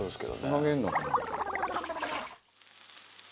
つなげるのかな？